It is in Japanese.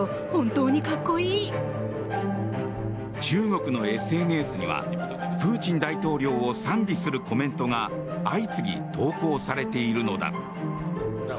中国のＳＮＳにはプーチン大統領を賛美するコメントが相次ぎ投稿されているのだ。